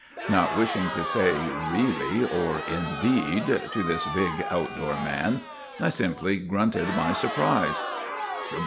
Not wishing to say " Really ' or " Indeed ' to this big, outdoor man, I simply grunted my sur prise.